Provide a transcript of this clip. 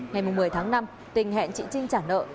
ngày một mươi tháng năm tình hẹn chị trinh trả nợ